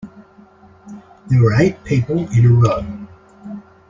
There were eight people in a row.